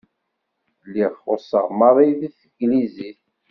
Lliɣ xuṣṣeɣ maḍi deg teglizit.